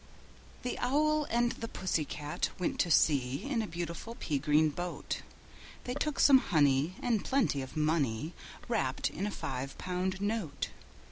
The Owl and the Pussy Cat went to sea In a beautiful pea green boat: They took some honey, and plenty of money Wrapped up in a five pound note.